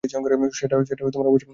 সেটা অবশ্যই নিয়ে আসব।